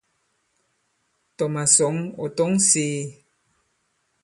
Tɔ̀ màsɔ̌ŋ ɔ̀ tɔ̌ŋ sēē.